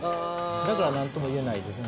だからなんとも言えないですね。